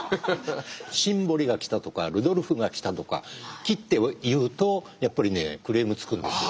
「シンボリが来た」とか「ルドルフが来た」とか切って言うとやっぱりねクレームつくんですよ。